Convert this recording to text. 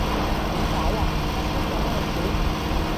點解呀？發生咗咩事？